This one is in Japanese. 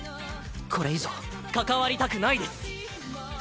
これ以上関わりたくないです。